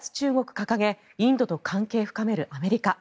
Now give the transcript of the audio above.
掲げインドと関係深めるアメリカ。